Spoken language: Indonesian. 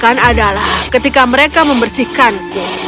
yang adalah ketika mereka membersihkanku